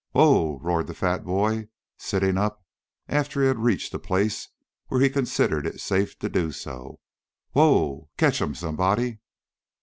"Whoa!" roared the fat boy, sitting up after he had reached a place where he considered it safe to do so. "Whoa! Catch him, somebody."